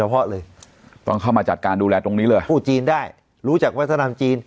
พูดจีนได้รู้จักวัฒนธรรมจีน